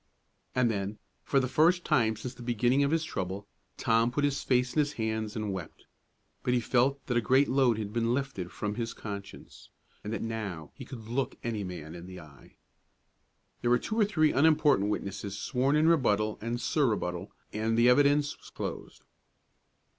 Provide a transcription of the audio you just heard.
And then, for the first time since the beginning of his trouble, Tom put his face in his hands and wept. But he felt that a great load had been lifted from his conscience, and that now he could look any man in the eye. There were two or three unimportant witnesses sworn in rebuttal and sur rebuttal, and the evidence was closed.